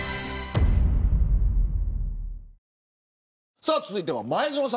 さあ続いては前園さん